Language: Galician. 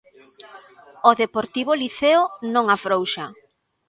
O Deportivo Liceo non afrouxa.